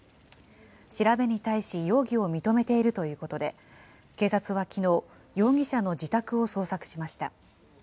調べに対し容疑を認めているということで、警察はきのう、容疑者の自宅を捜索しました。